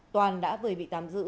toàn đã vừa bị tám giữ